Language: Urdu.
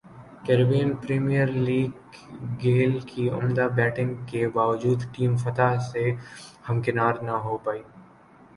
کیربئین پریمئیر لیگ گیل کی عمدہ بیٹنگ کے باوجود ٹیم فتح سے ہمکنار نہ ہو پائی